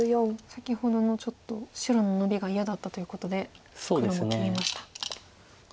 先ほどの白のノビが嫌だったということで黒も切りました。